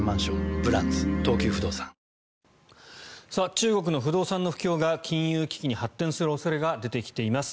中国の不動産の不況が金融危機に発展する恐れが出てきています。